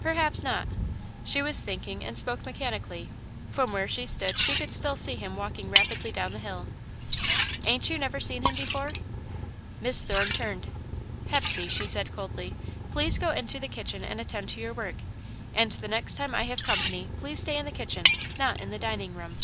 "Perhaps not." She was thinking, and spoke mechanically. From where she stood she could still see him walking rapidly down the hill. "Ain't you never seen him before?" Miss Thorne turned. "Hepsey," she said, coldly, "please go into the kitchen and attend to your work. And the next time I have company, please stay in the kitchen not in the dining room."